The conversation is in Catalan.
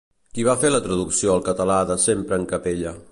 Qui va fer la traducció al català de Sempre en capella?